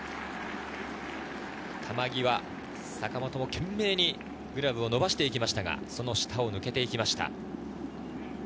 球際、坂本も懸命にグラブを伸ばして行きましたが、その下を抜けて行きました。